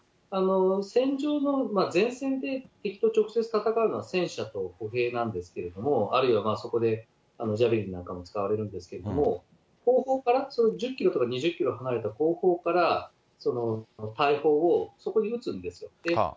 戦場の前線で敵と直接戦うのは戦車と歩兵なんですけれども、あるいはそこでジャベリンなんかも使われるんですけれども、後方から１０キロとか２０キロ離れた後方から大砲をそこで撃つんですよ。